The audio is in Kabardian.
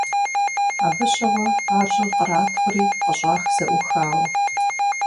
Абы щыгъуэ ар щӀыр къратхъури къыщӀах зэӀухауэ.